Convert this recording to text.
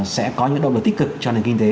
sẽ có những động lực tích cực cho nền kinh tế